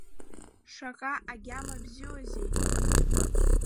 Шаҟа агьама бзиоузеи!